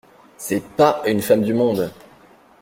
C’est pas une femme du monde !